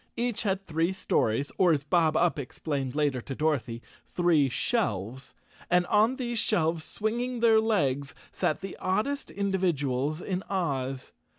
Each had three stories, or as Bob Up explained later to Dorothy, three shelves. And on these shelves, swing¬ ing their legs, sat the oddest individuals in Oz.